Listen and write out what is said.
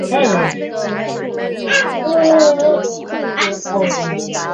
致仕去世。